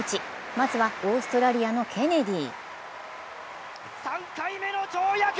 まずは、オーストラリアのケネディ。